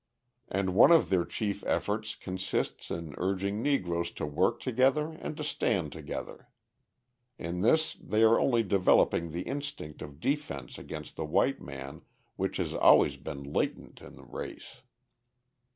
And one of their chief efforts consists in urging Negroes to work together and to stand together. In this they are only developing the instinct of defence against the white man which has always been latent in the race.